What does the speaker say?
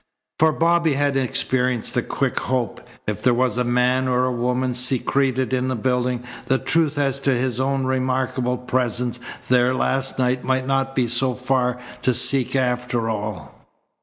For Bobby had experienced a quick hope. If there was a man or a woman secreted in the building the truth as to his own remarkable presence there last night might not be so far to seek after all.